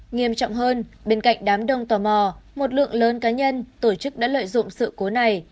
nghiêm trọng hơn bên cạnh đám đông tò mò một lượng lớn cá nhân tổ chức đã lợi dụng sự cố này